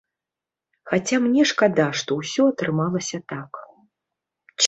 Хаця мне шкада, што ўсё атрымалася так.